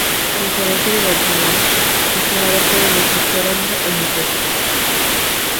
A diferencia del original, el jugador puede elegir ser hombre o mujer.